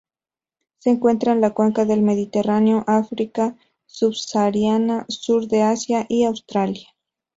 Se encuentra en la Cuenca del Mediterráneo, África subsahariana, sur de Asia y Australia.